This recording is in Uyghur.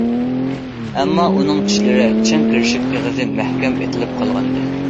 ئەمما، ئۇنىڭ چىشلىرى چىڭ كىرىشىپ، ئېغىزى مەھكەم ئېتىلىپ قالغانىدى.